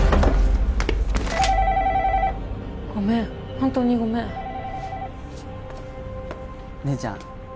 本当にごめん姉ちゃん